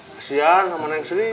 kasihan sama neng sri